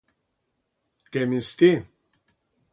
Què més té.